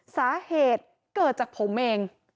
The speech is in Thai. สาเหตุเกิดจากผมเอง